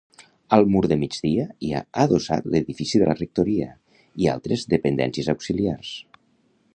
Al mur de migdia hi ha adossat l'edifici de la rectoria i altres dependències auxiliars.